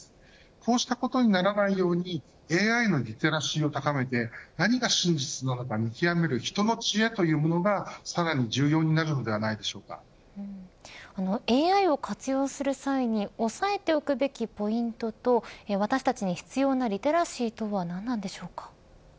こうしたことにならないようにＡＩのリテラシーを高めて何が真実なのか見極める人の知恵というものがさらに重要になるのではＡＩを活用する際に押さえておくべきポイントと私たちに必要なリテラシーとは何なんでしょうか。